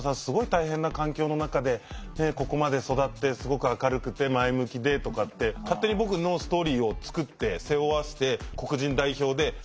すごい大変な環境の中でここまで育ってすごく明るくて前向きで」とかって勝手に僕のストーリーを作って背負わして黒人代表で。